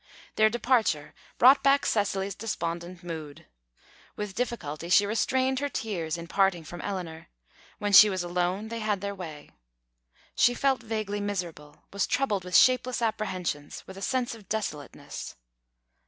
Their departure brought back Cecily's despondent mood. With difficulty she restrained her tears in parting from Eleanor; when she was alone, they had their way. She felt vaguely miserable was troubled with shapeless apprehensions, with a sense of desolateness.